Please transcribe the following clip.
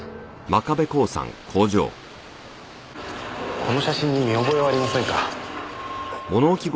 この写真に見覚えはありませんか？